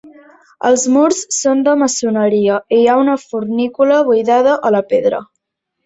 Els murs són de maçoneria i hi ha una fornícula buidada a la pedra.